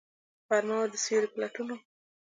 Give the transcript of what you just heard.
غرمه وه، د سیوری په لټون وم